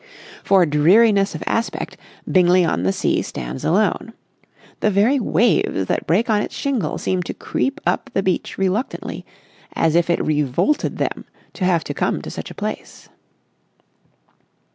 For dreariness of aspect Bingley on the Sea stands alone. The very waves that break on its shingle seem to creep up the beach reluctantly, as if it revolted them to have to come to such a place.